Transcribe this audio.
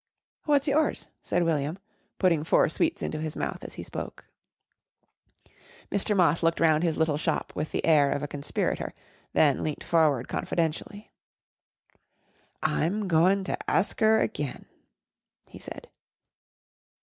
"What's yours?" said William, putting four sweets into his mouth as he spoke. Mr. Moss looked round his little shop with the air of a conspirator, then leant forward confidentially. "I'm goin' to arsk 'er again," he said.